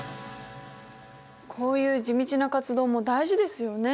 こういう地道な活動も大事ですよね。